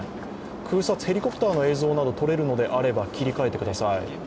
空撮、ヘリコプターの様子などとれるのであれば切り替えてください。